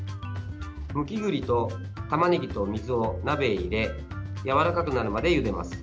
むき栗とたまねぎと水を鍋へ入れやわらかくなるまでゆでます。